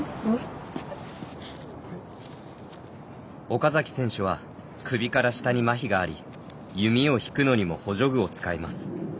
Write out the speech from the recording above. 岡崎選手は首から下にまひがあり弓を引くのにも補助具を使います。